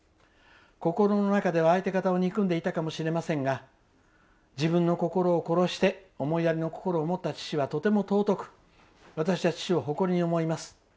心の中では相手方を憎んでいたかもしれませんが自分の心を殺して思いやりの心を持った父はとても尊く私は父を誇りに思います。